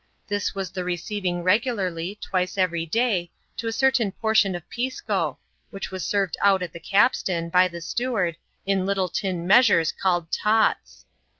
This was the receiving regularly, twice every day, a certain portion of Pisco^ which was served out at the capstan, by the steward, in little tin measures called ^* tots.